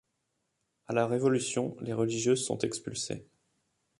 À la Révolution, les religieuses sont expulsées.